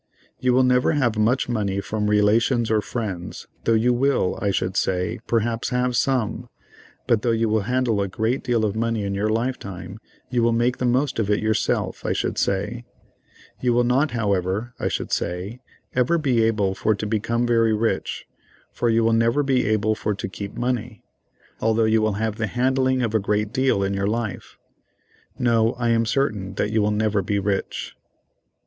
You will never have much money from relations or friends, though you will, I should say, perhaps have some—but though you will handle a great deal of money in your lifetime you will make the most of it yourself, I should say—you will not, however, I should say, ever be able for to become very rich, for you will never be able for to keep money, although you will have the handling of a great deal in your life. No, I am certain that you will never be rich."